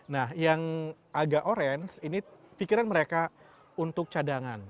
nah yang agak orange ini pikiran mereka untuk cadangan